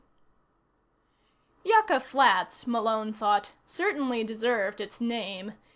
7 Yucca Flats, Malone thought, certainly deserved its name.